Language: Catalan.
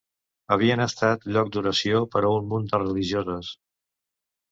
Havien estat lloc d’oració per a un munt de religioses.